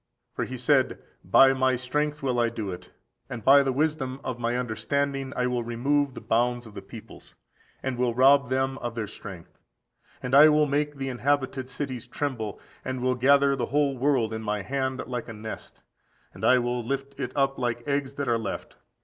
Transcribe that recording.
For he said, By my strength will I do it, and by the wisdom of my understanding I will remove the bounds of the peoples, and will rob them of their strength: and I will make the inhabited cities tremble, and will gather the whole world in my hand like a nest, and I will lift it up like eggs that are left.